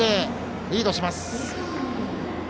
リードします。